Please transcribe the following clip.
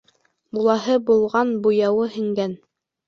Булаһы булған, буяуы һеңгән.